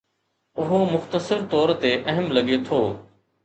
اهو مختصر طور تي اهم لڳي ٿو